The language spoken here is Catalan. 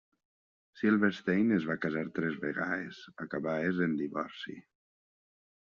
Silverstein es va casar tres vegades, acabades en divorci.